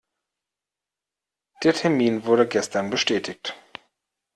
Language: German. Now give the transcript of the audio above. Der Termin wurde gestern bestätigt.